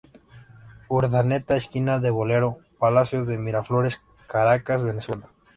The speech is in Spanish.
Urdaneta, Esquina de Bolero, Palacio de Miraflores, Caracas, Venezuela.